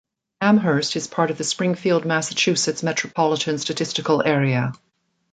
Amherst is part of the Springfield, Massachusetts Metropolitan Statistical Area.